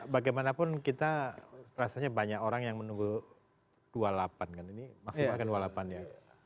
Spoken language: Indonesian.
bagaimanapun kita rasanya banyak orang yang menunggu dua puluh delapan kan ini maksimal kan dua puluh delapan ya